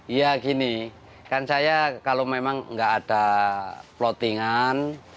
iya gini kan saya kalau memang nggak ada plottingan